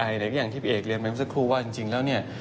อย่างที่พี่เอกเรียนไปเมื่อสักครู่ว่าจริงแล้วเนี่ย